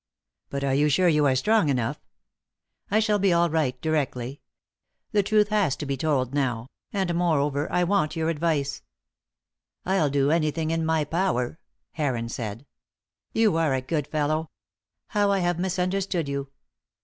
"But are you sure you are strong enough?" "I shall be all right directly. The truth has to be told now; and, moreover, I want your advice." "I'll do anything in my power," Heron said. "You are a good fellow. How I have misunderstood you!